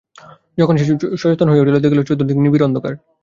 যখন সে সচেতন হইয়া উঠিল, দেখিল, চতুর্দিকে নিবিড় অন্ধকার।